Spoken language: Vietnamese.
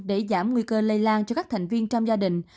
để giảm nguy cơ lây lan cho các thành viên trong gia đình